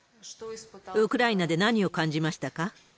ウクライナで何を感じましたか？